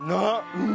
うん。